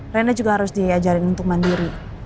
renda juga harus diajarin untuk mandiri